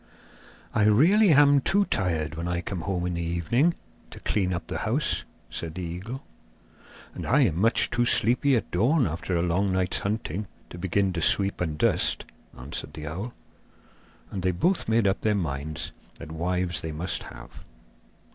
'I really am too tired when I come home in the evening to clean up the house,' said the eagle. 'And I am much too sleepy at dawn after a long night's hunting to begin to sweep and dust,' answered the owl. And they both made up their minds that wives they must have.